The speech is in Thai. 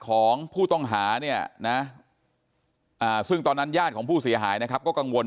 ของผู้ต้องหาเนี่ยนะซึ่งตอนนั้นญาติของผู้เสียหายนะครับก็กังวล